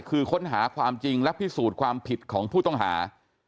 คือค้นหาความจริงและพิสูจน์ความผิดของผู้ต้องหา